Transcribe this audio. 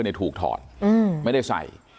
ถูกถอดไม่ได้ใส่